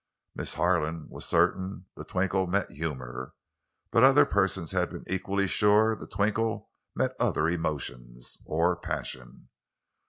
Miss Harlan was certain the twinkle meant humor. But other persons had been equally sure the twinkle meant other emotions, or passion.